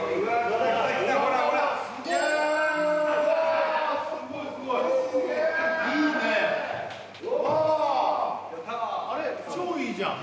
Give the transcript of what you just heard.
あれ超いいじゃん！